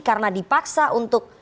karena dipaksa untuk